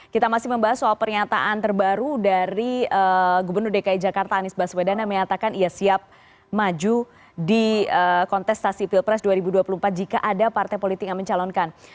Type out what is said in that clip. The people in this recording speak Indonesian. kita masih membahas soal pernyataan terbaru dari gubernur dki jakarta anies baswedan yang menyatakan ia siap maju di kontestasi pilpres dua ribu dua puluh empat jika ada partai politik yang mencalonkan